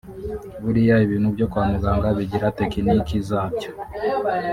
Buriya ibintu byo kwa muganga bigira tekiniki zabyo